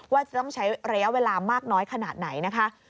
ว่าจะต้องใช้ระยะเวลามากน้อยขนาดไหนนะคะ